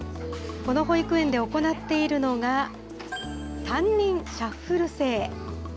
この保育園で行っているのが、担任シャッフル制。